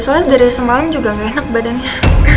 soalnya dari semalam juga nggak enak badannya